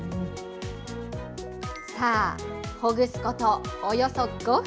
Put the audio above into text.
さあ、ほぐすことおよそ５分。